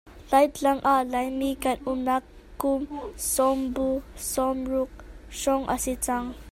Laitlang ah Laimi kan umnak kum sawmbu sawm ruk hrawng a si cang.